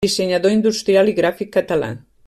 Dissenyador industrial i gràfic català.